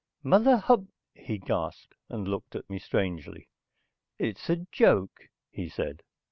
"Mother Hub...." he gasped. He looked at me strangely. "It's a joke," he said.